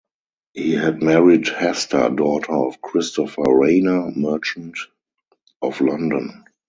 He had married Hester, daughter of Christopher Rayner, merchant, of London.